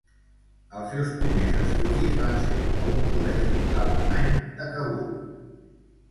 Els seus primers estudis van ser a un col·legi alemany de Kabul.